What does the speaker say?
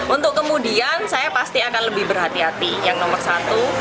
untuk kemudian saya pasti akan lebih berhati hati yang nomor satu